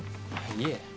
いえ。